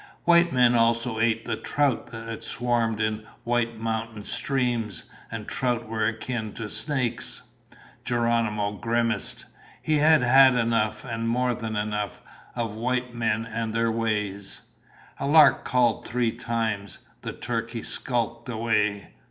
White men also ate the trout that swarmed in White Mountain streams, and trout were akin to snakes. Geronimo grimaced. He had had enough, and more than enough, of white men and their ways. A lark called three times. The turkeys skulked away.